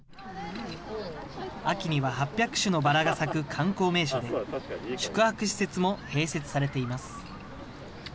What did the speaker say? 秋には８００種のバラが咲く観光名所で、宿泊施設も併設されています。